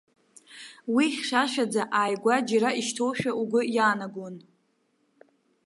Уи хьшәашәаӡа, ааигәа џьара ишьҭоушәа угәы иаанагон.